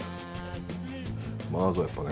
まずはやっぱね